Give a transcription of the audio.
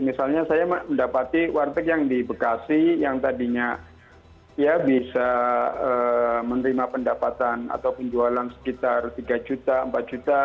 misalnya saya mendapati warteg yang di bekasi yang tadinya ya bisa menerima pendapatan atau penjualan sekitar tiga juta empat juta